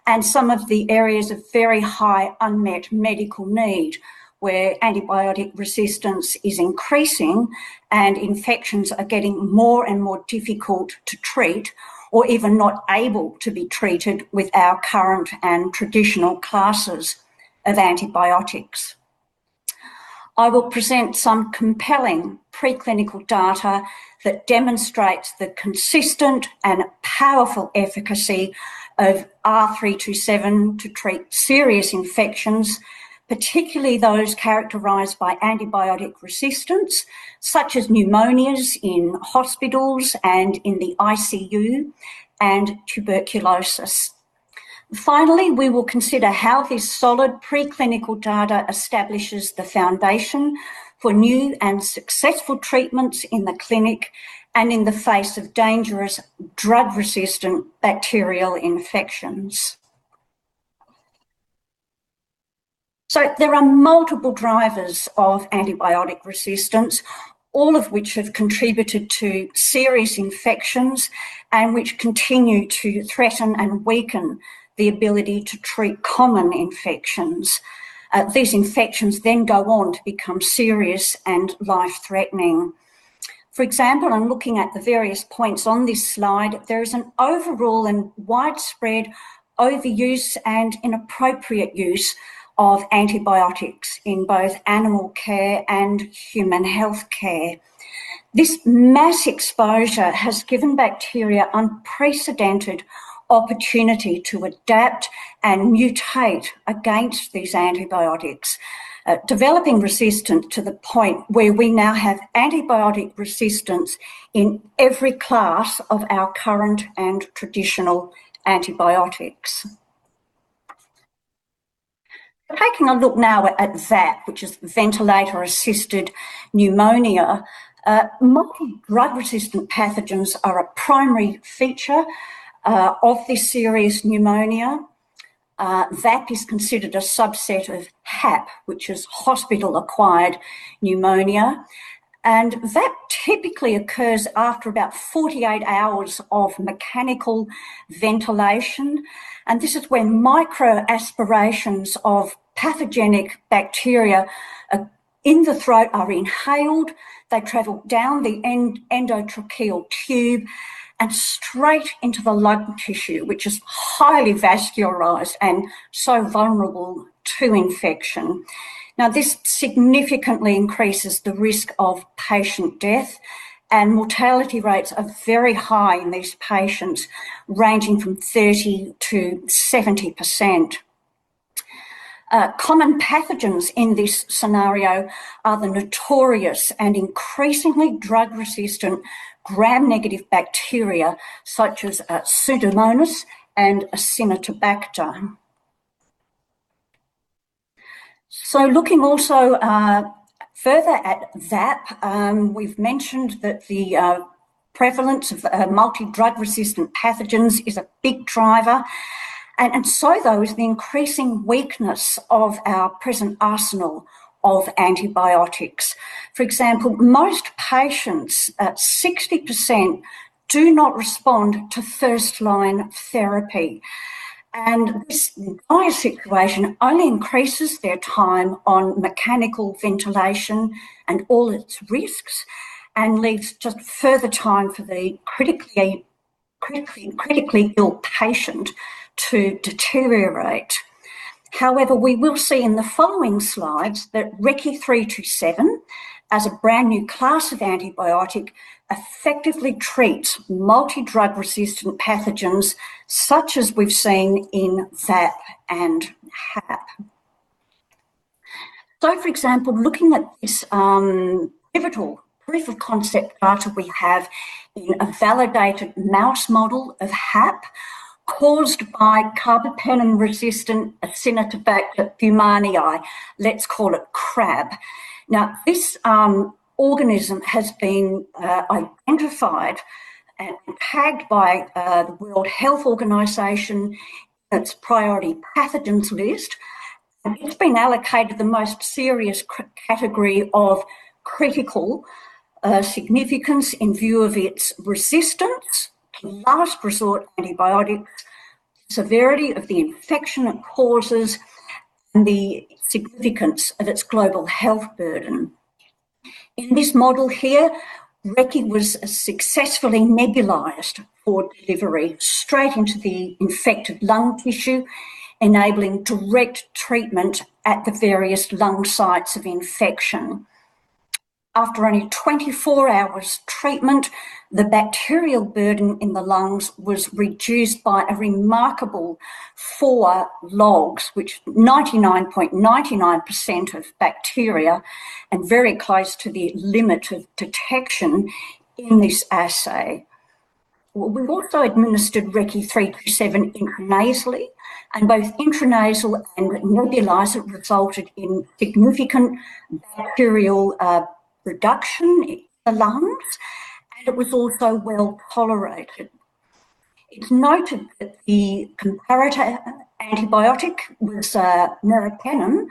and some of the areas of very high unmet medical need where antibiotic resistance is increasing and infections are getting more and more difficult to treat or even not able to be treated with our current and traditional classes of antibiotics. I will present some compelling preclinical data that demonstrates the consistent and powerful efficacy of R327 to treat serious infections, particularly those characterized by antibiotic resistance, such as pneumonias in hospitals and in the ICU and tuberculosis. Finally, we will consider how this solid preclinical data establishes the foundation for new and successful treatments in the clinic and in the face of dangerous drug-resistant bacterial infections. There are multiple drivers of antibiotic resistance, all of which have contributed to serious infections and which continue to threaten and weaken the ability to treat common infections. These infections then go on to become serious and life-threatening. For example, I'm looking at the various points on this slide. There is an overall and widespread overuse and inappropriate use of antibiotics in both animal care and human health care. This mass exposure has given bacteria unprecedented opportunity to adapt and mutate against these antibiotics, developing resistance to the point where we now have antibiotic resistance in every class of our current and traditional antibiotics. Taking a look now at VAP, which is ventilator-associated pneumonia. Multidrug-resistant pathogens are a primary feature of this serious pneumonia. VAP is considered a subset of HAP, which is hospital-acquired pneumonia, and that typically occurs after about 48 hours of mechanical ventilation. This is when microaspirations of pathogenic bacteria in the throat are inhaled, they travel down the endotracheal tube and straight into the lung tissue, which is highly vascularized and so vulnerable to infection. This significantly increases the risk of patient death, and mortality rates are very high in these patients, ranging from 30%-70%. Common pathogens in this scenario are the notorious and increasingly drug-resistant Gram-negative bacteria such as Pseudomonas and Acinetobacter. Looking also further at VAP, we've mentioned that the prevalence of multi-drug resistant pathogens is a big driver. And so too is the increasing weakness of our present arsenal of antibiotics. For example, most patients, at 60%, do not respond to first-line therapy. This entire situation only increases their time on mechanical ventilation and all its risks and leaves just further time for the critically ill patient to deteriorate. However, we will see in the following slides that RECCE 327 as a brand-new class of antibiotic effectively treats multi-drug resistant pathogens such as we've seen in VAP and HAP. For example, looking at this, pivotal proof of concept data, we have in a validated mouse model of HAP caused by Carbapenem-resistant Acinetobacter baumannii, let's call it CRAB. Now this organism has been identified and tagged by the World Health Organization's priority pathogens list, and it has been allocated the most serious category of critical significance in view of its resistance to last resort antibiotics, severity of the infection it causes, and the significance of its global health burden. In this model here, Recce was successfully nebulized for delivery straight into the infected lung tissue, enabling direct treatment at the various lung sites of infection. After only 24 hours treatment, the bacterial burden in the lungs was reduced by a remarkable four logs, which 99.99% of bacteria and very close to the limit of detection in this assay. We also administered RECCE 327 intranasally and both intranasal and nebulizer resulted in significant bacterial reduction in the lungs, and it was also well tolerated. It's noted that the comparator antibiotic was meropenem,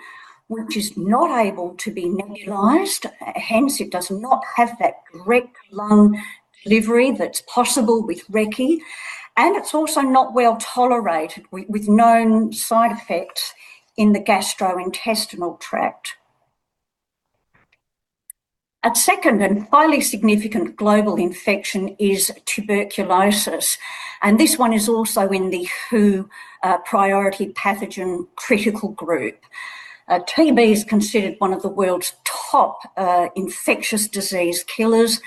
which is not able to be nebulized, hence it does not have that great lung delivery that's possible with RECCE, and it's also not well tolerated with known side effects in the gastrointestinal tract. A second and highly significant global infection is tuberculosis, and this one is also in the WHO priority pathogen critical group. TB is considered one of the world's top infectious disease killers,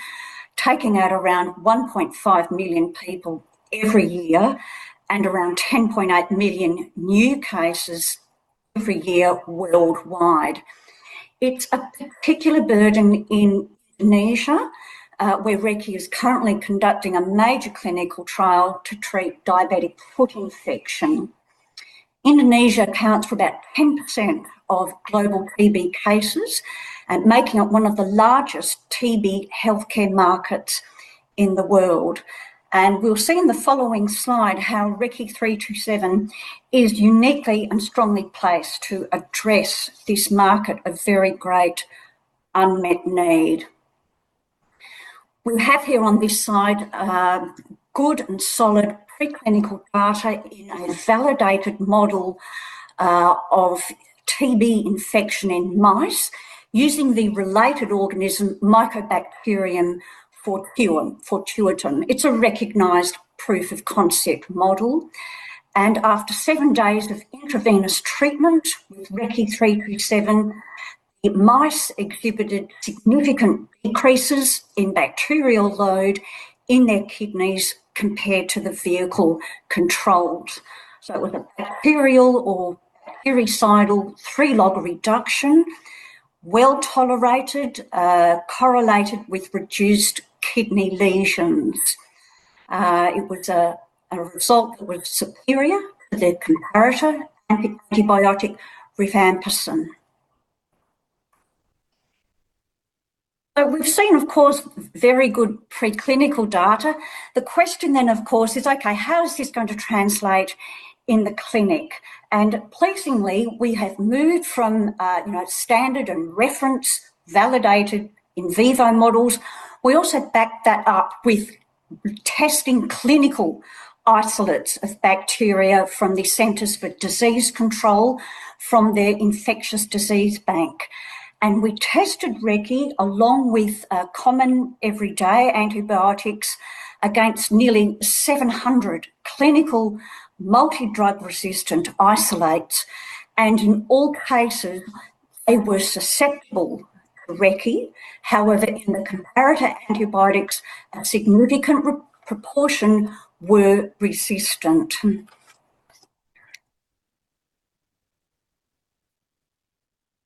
taking out around 1.5 million people every year and around 10.8 million new cases every year worldwide. It's a particular burden in Indonesia, where Recce is currently conducting a major clinical trial to treat diabetic foot infection. Indonesia accounts for about 10% of global TB cases and making it one of the largest TB healthcare markets in the world. We'll see in the following slide how RECCE 327 is uniquely and strongly placed to address this market of very great unmet need. We have here on this slide good and solid preclinical data in a validated model of TB infection in mice using the related organism Mycobacterium fortuitum. It's a recognized proof of concept model, and after seven days of intravenous treatment with RECCE 327, the mice exhibited significant decreases in bacterial load in their kidneys compared to the vehicle controls. It was a bactericidal three-log reduction, well-tolerated, correlated with reduced kidney lesions. It was a result that was superior to the comparator antibiotic rifampicin. We've seen, of course, very good preclinical data. The question then, of course, is, okay, how is this going to translate in the clinic? Pleasingly, we have moved from, you know, standard and reference validated in vivo models. We also backed that up with testing clinical isolates of bacteria from the Centers for Disease Control, from their infectious disease bank. We tested RECCE along with common everyday antibiotics against nearly 700 clinical multidrug resistant isolates. In all cases, they were susceptible to RECCE. However, in the comparator antibiotics, a significant proportion were resistant.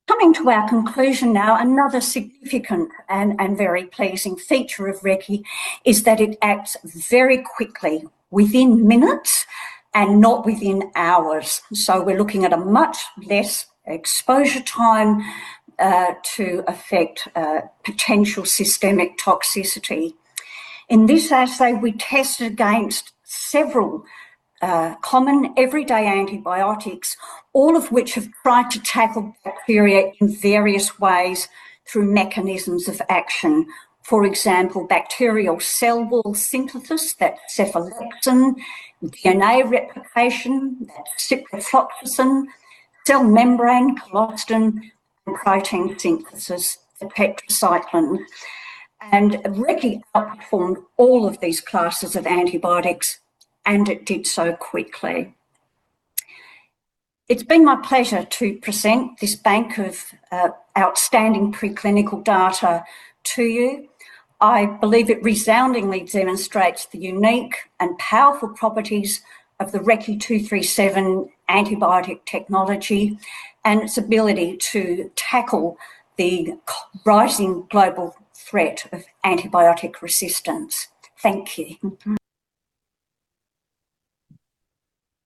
Coming to our conclusion now, another significant and very pleasing feature of RECCE is that it acts very quickly, within minutes and not within hours. We're looking at a much less exposure time to affect potential systemic toxicity. In this assay, we tested against several common everyday antibiotics, all of which have tried to tackle bacteria in various ways through mechanisms of action. For example, bacterial cell wall synthesis, that cefalexin, DNA replication, ciprofloxacin, cell membrane, colistin, and protein synthesis, the tetracycline. Recce outperformed all of these classes of antibiotics, and it did so quickly. It's been my pleasure to present this bank of outstanding preclinical data to you. I believe it resoundingly demonstrates the unique and powerful properties of the RECCE 327 antibiotic technology and its ability to tackle the rising global threat of antibiotic resistance. Thank you.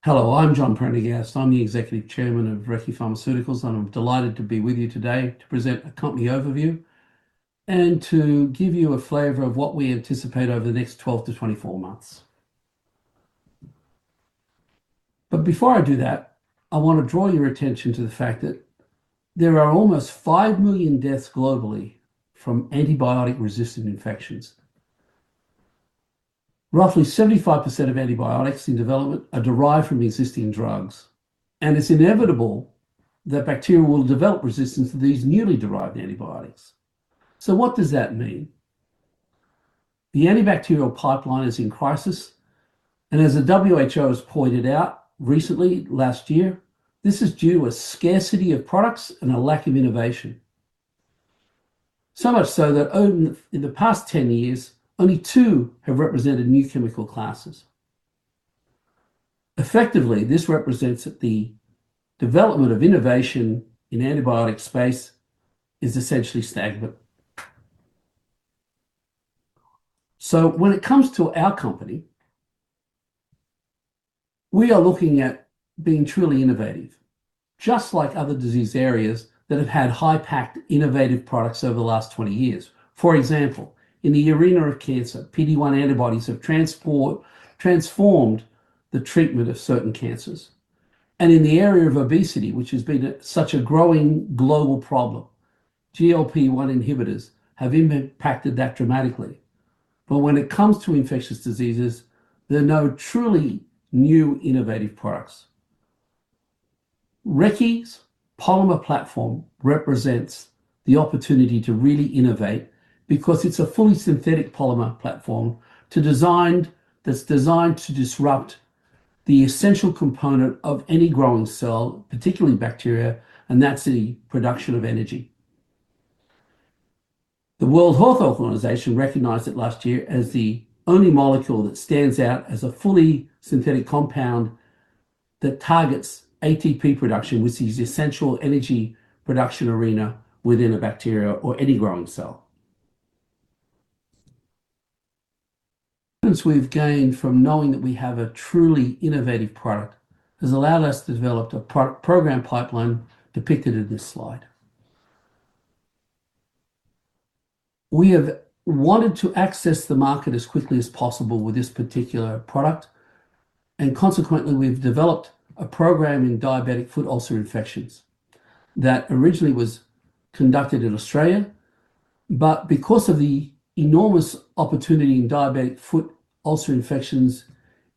Hello, I'm John Prendergast. I'm the Executive Chairman of Recce Pharmaceuticals, and I'm delighted to be with you today to present a company overview and to give you a flavor of what we anticipate over the next 12 to 24 months. Before I do that, I want to draw your attention to the fact that there are almost 5 million deaths globally from antibiotic-resistant infections. Roughly 75% of antibiotics in development are derived from existing drugs, and it's inevitable that bacteria will develop resistance to these newly derived antibiotics. What does that mean? The antibacterial pipeline is in crisis, and as the WHO has pointed out recently, last year, this is due to a scarcity of products and a lack of innovation. So much so that in the past 10 years, only two have represented new chemical classes. Effectively, this represents that the development of innovation in antibiotic space is essentially stagnant. When it comes to our company, we are looking at being truly innovative, just like other disease areas that have had high-impact innovative products over the last 20 years. For example, in the arena of cancer, PD-1 antibodies have transformed the treatment of certain cancers. In the area of obesity, which has been such a growing global problem, GLP-1 inhibitors have impacted that dramatically. When it comes to infectious diseases, there are no truly new innovative products. Recce's polymer platform represents the opportunity to really innovate because it's a fully synthetic polymer platform that's designed to disrupt the essential component of any growing cell, particularly bacteria, and that's the production of energy. The World Health Organization recognized it last year as the only molecule that stands out as a fully synthetic compound that targets ATP production, which is the essential energy production arena within a bacteria or any growing cell. Confidence we've gained from knowing that we have a truly innovative product has allowed us to develop a proprietary program pipeline depicted in this slide. We have wanted to access the market as quickly as possible with this particular product, and consequently, we've developed a program in diabetic foot ulcer infections that originally was conducted in Australia. Because of the enormous opportunity in diabetic foot ulcer infections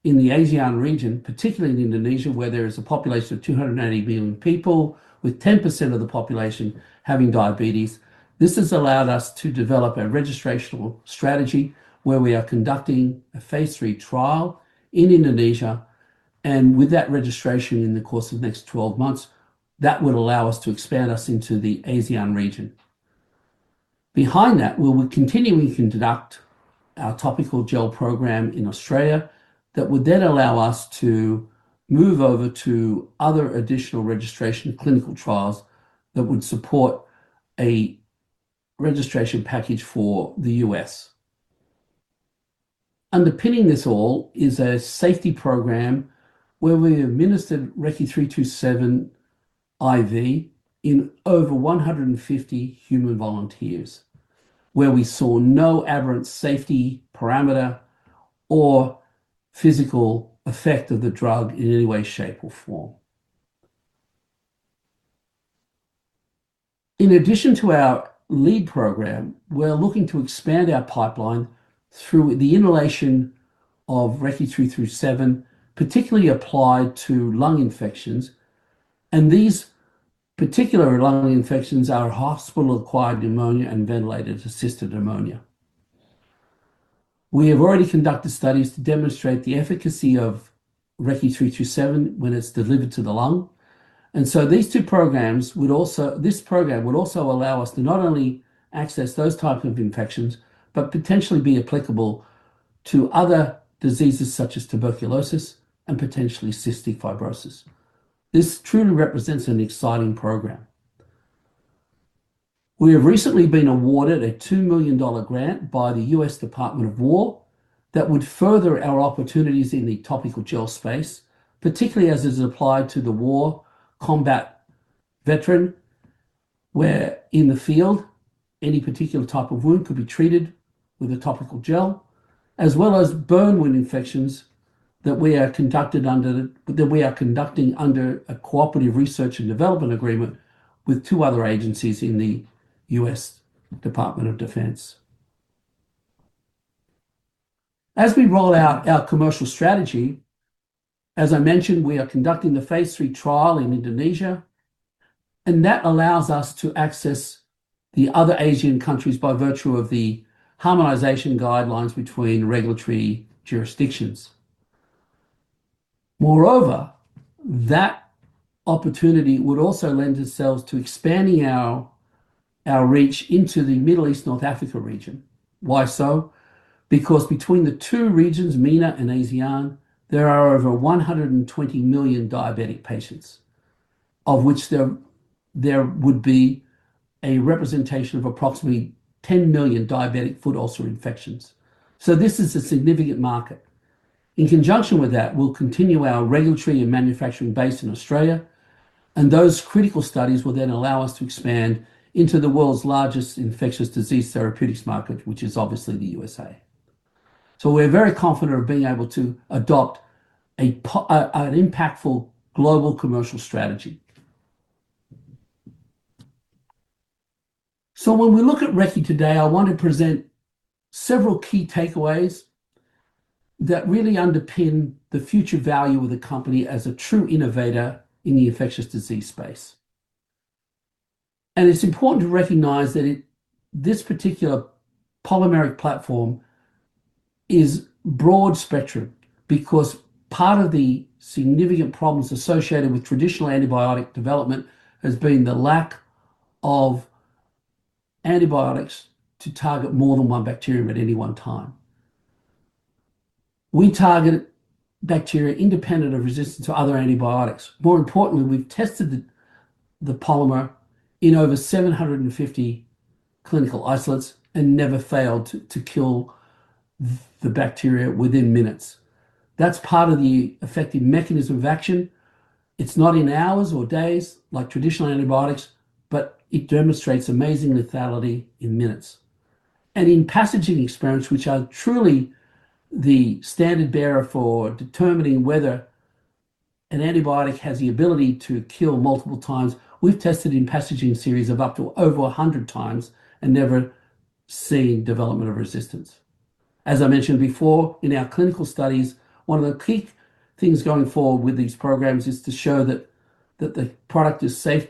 in the ASEAN region, particularly in Indonesia, where there is a population of 280 million people with 10% of the population having diabetes, this has allowed us to develop a registrational strategy where we are conducting a phase III trial in Indonesia, and with that registration in the course of the next 12 months, that would allow us to expand into the ASEAN region. Behind that, we will continue, we can conduct our topical gel program in Australia that would then allow us to move over to other additional registration clinical trials that would support a registration package for the U.S. Underpinning this all is a safety program where we administered RECCE 327 IV in over 150 human volunteers, where we saw no aberrant safety parameter or physical effect of the drug in any way, shape, or form. In addition to our lead program, we're looking to expand our pipeline through the inhalation of RECCE 327, particularly applied to lung infections. These particular lung infections are hospital-acquired pneumonia and ventilator-associated pneumonia. We have already conducted studies to demonstrate the efficacy of RECCE 327 when it's delivered to the lung. These two programs would also allow us to not only access those type of infections, but potentially be applicable to other diseases such as tuberculosis and potentially cystic fibrosis. This truly represents an exciting program. We have recently been awarded a $2 million grant by the U.S. Department of War that would further our opportunities in the topical gel space, particularly as is applied to the war combat veteran, where in the field, any particular type of wound could be treated with a topical gel, as well as burn wound infections that we are conducting under a cooperative research and development agreement with two other agencies in the U.S. Department of Defense. As we roll out our commercial strategy, as I mentioned, we are conducting the phase III trial in Indonesia, and that allows us to access the other ASEAN countries by virtue of the harmonization guidelines between regulatory jurisdictions. Moreover, that opportunity would also lend itself to expanding our reach into the Middle East North Africa region. Why so? Because between the two regions, MENA and ASEAN, there are over 120 million diabetic patients, of which there would be a representation of approximately 10 million diabetic foot ulcer infections. This is a significant market. In conjunction with that, we'll continue our regulatory and manufacturing base in Australia, and those critical studies will then allow us to expand into the world's largest infectious disease therapeutics market, which is obviously the U.S.A. We're very confident of being able to adopt an impactful global commercial strategy. When we look at Recce today, I want to present several key takeaways that really underpin the future value of the company as a true innovator in the infectious disease space. It's important to recognize that this particular polymeric platform is broad spectrum because part of the significant problems associated with traditional antibiotic development has been the lack of antibiotics to target more than one bacterium at any one time. We target bacteria independent of resistance to other antibiotics. More importantly, we've tested the polymer in over 750 clinical isolates and never failed to kill the bacteria within minutes. That's part of the effective mechanism of action. It's not in hours or days like traditional antibiotics, but it demonstrates amazing lethality in minutes. In passaging experiments, which are truly the standard bearer for determining whether an antibiotic has the ability to kill multiple times, we've tested in passaging series of up to over 100 times and never seen development of resistance. As I mentioned before, in our clinical studies, one of the key things going forward with these programs is to show that the product is safe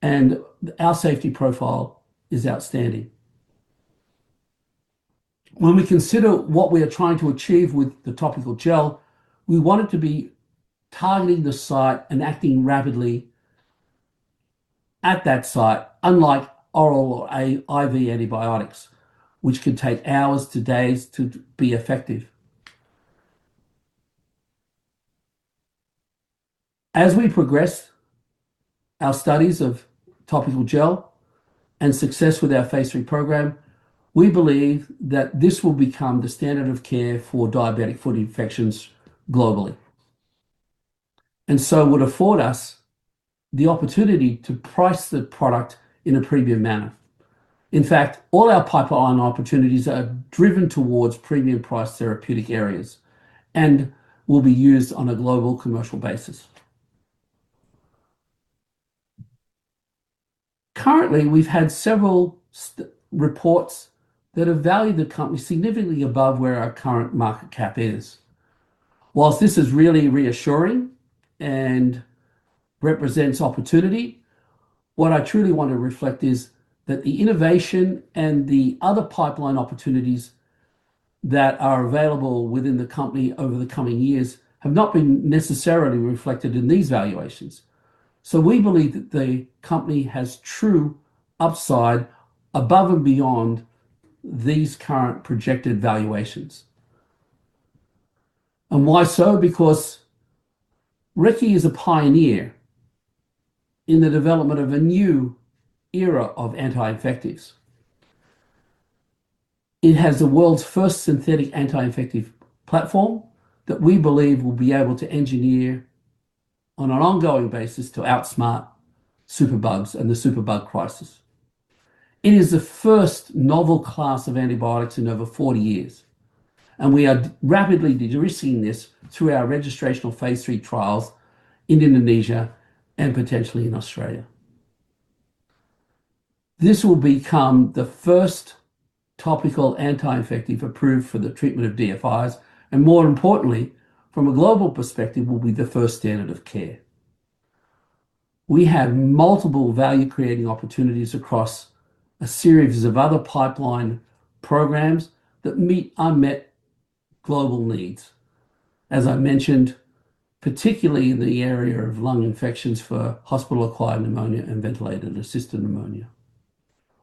and our safety profile is outstanding. When we consider what we are trying to achieve with the topical gel, we want it to be targeting the site and acting rapidly at that site, unlike oral or IV antibiotics, which can take hours to days to be effective. As we progress our studies of topical gel and success with our phase III program, we believe that this will become the standard of care for diabetic foot infections globally, and so would afford us the opportunity to price the product in a premium manner. In fact, all our pipeline opportunities are driven towards premium price therapeutic areas and will be used on a global commercial basis. Currently, we've had several reports that have valued the company significantly above where our current market cap is. While this is really reassuring and represents opportunity, what I truly want to reflect is that the innovation and the other pipeline opportunities that are available within the company over the coming years have not been necessarily reflected in these valuations. We believe that the company has true upside above and beyond these current projected valuations. Why so? Because Recce is a pioneer in the development of a new era of anti-infectives. It has the world's first synthetic anti-infective platform that we believe will be able to engineer on an ongoing basis to outsmart superbugs and the superbug crisis. It is the first novel class of antibiotics in over 40 years, and we are rapidly de-risking this through our registrational phase III trials in Indonesia and potentially in Australia. This will become the first topical anti-infective approved for the treatment of DFIs, and more importantly, from a global perspective, will be the first standard of care. We have multiple value-creating opportunities across a series of other pipeline programs that meet unmet global needs, as I mentioned, particularly in the area of lung infections for hospital-acquired pneumonia and ventilator-associated pneumonia.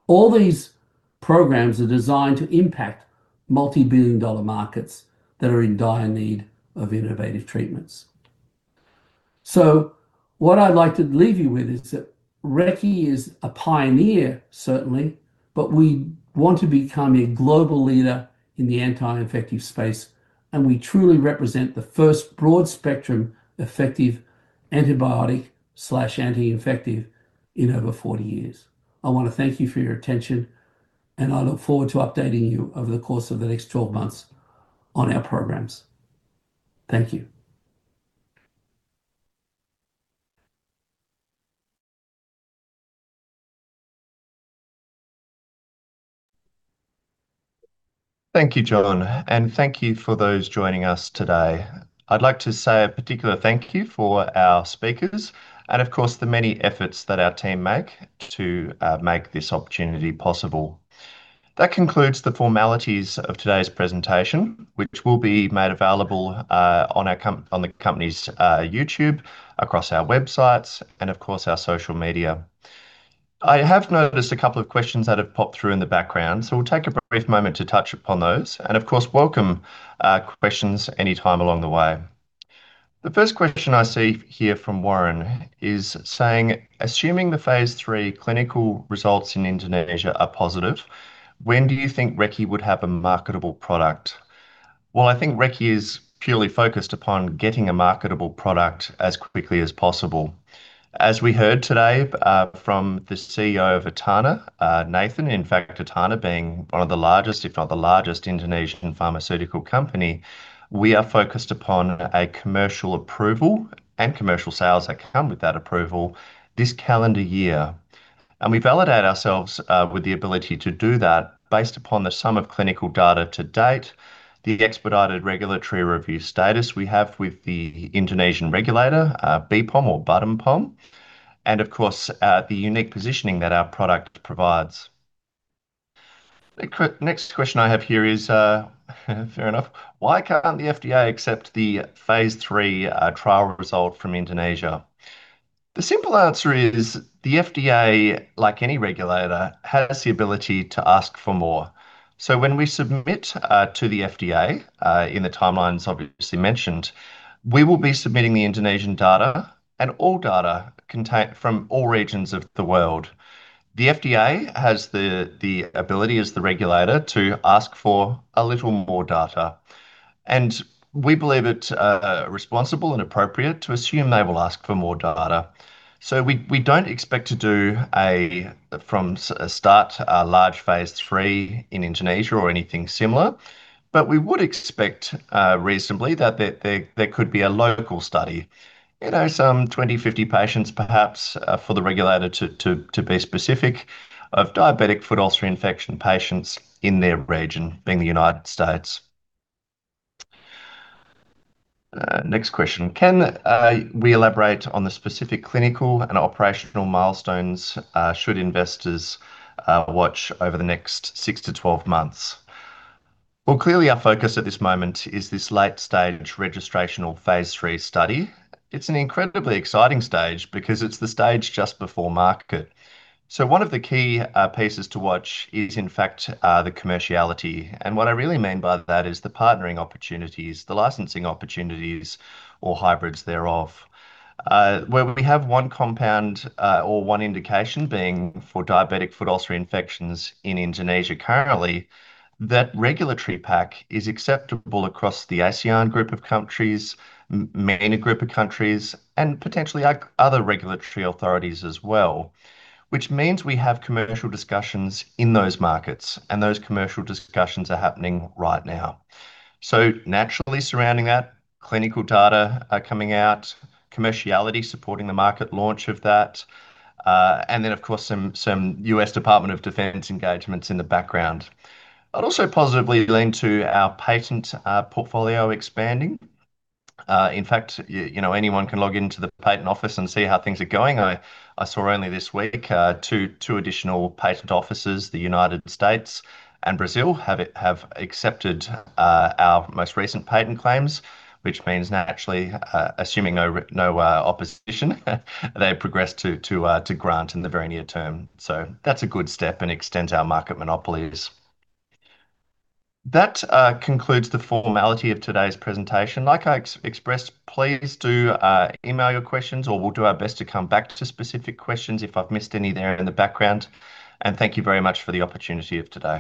All these programs are designed to impact multi-billion dollar markets that are in dire need of innovative treatments. What I'd like to leave you with is that Recce is a pioneer, certainly, but we want to become a global leader in the anti-infective space, and we truly represent the first broad spectrum effective antibiotic/anti-infective in over 40 years. I wanna thank you for your attention, and I look forward to updating you over the course of the next 12 months on our programs. Thank you. Thank you, John, and thank you for those joining us today. I'd like to say a particular thank you for our speakers and of course the many efforts that our team make to make this opportunity possible. That concludes the formalities of today's presentation, which will be made available on the company's YouTube, across our websites, and of course our social media. I have noticed a couple of questions that have popped through in the background, so we'll take a brief moment to touch upon those and of course welcome questions anytime along the way. The first question I see here from Warren is saying, "Assuming the phase III clinical results in Indonesia are positive, when do you think Recce would have a marketable product?" Well, I think Recce is purely focused upon getting a marketable product as quickly as possible. As we heard today, from the CEO of Etana, Nathan, in fact, Etana being one of the largest, if not the largest Indonesian pharmaceutical company, we are focused upon a commercial approval and commercial sales that come with that approval this calendar year. We validate ourselves with the ability to do that based upon the sum of clinical data to date, the expedited regulatory review status we have with the Indonesian regulator, BPOM or Badan POM, and of course, the unique positioning that our product provides. The next question I have here is, fair enough, "Why can't the FDA accept the phase III trial result from Indonesia?" The simple answer is the FDA, like any regulator, has the ability to ask for more. When we submit to the FDA in the timelines obviously mentioned, we will be submitting the Indonesian data and all data from all regions of the world. The FDA has the ability as the regulator to ask for a little more data, and we believe it's responsible and appropriate to assume they will ask for more data. We don't expect to do a large phase III in Indonesia or anything similar, but we would expect reasonably that there could be a local study. You know, some 20, 50 patients perhaps for the regulator to be specific of diabetic foot ulcer infection patients in their region, being the United States. Next question. Can re-elaborate on the specific clinical and operational milestones should investors watch over the next six to 12 months?" Well, clearly our focus at this moment is this late stage registrational phase III study. It's an incredibly exciting stage because it's the stage just before market. One of the key pieces to watch is in fact the commerciality, and what I really mean by that is the partnering opportunities, the licensing opportunities or hybrids thereof. Where we have one compound or one indication being for diabetic foot ulcer infections in Indonesia currently, that regulatory pack is acceptable across the ASEAN group of countries, MENA group of countries, and potentially other regulatory authorities as well, which means we have commercial discussions in those markets, and those commercial discussions are happening right now. Naturally surrounding that, clinical data are coming out, commerciality supporting the market launch of that, and then of course some U.S. Department of Defense engagements in the background. I'd also positively allude to our patent portfolio expanding. In fact, you know, anyone can log into the patent office and see how things are going. I saw only this week two additional patent offices, the United States and Brazil, have accepted our most recent patent claims, which means naturally, assuming no opposition, they progress to grant in the very near term. That's a good step and extends our market monopolies. That concludes the formality of today's presentation. Like I expressed, please do email your questions or we'll do our best to come back to specific questions if I've missed any there in the background. Thank you very much for the opportunity of today.